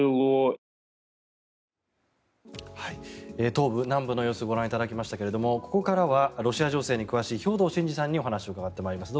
東部、南部の様子をご覧いただきましたがここからはロシア情勢に詳しい兵頭慎治さんにお話を伺ってまいります。